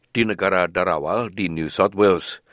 di negara darawal di new south wales